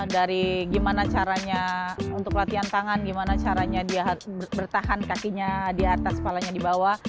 dari gimana caranya untuk latihan tangan gimana caranya dia bertahan kakinya di atas kepalanya di bawah